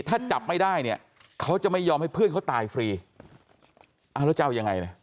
ถ้าจับไม่ได้เนี่ยเขาจะไม่ยอมให้เพื่อนเขาตายฟรีเอาแล้วจะเอายังไงนะ